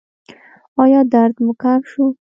ایا درد مو کم شو؟